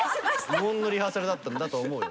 無音のリハーサルだったんだと思うよ。